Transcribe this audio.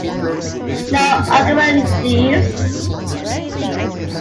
No argument, Jeeves.